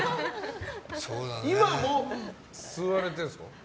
今も吸われてるんですか。